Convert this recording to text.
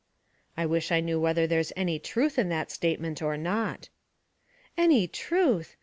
'I wish I knew whether there's any truth in that statement or not!' 'Any truth!